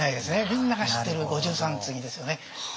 みんなが知ってる五十三次ですよね。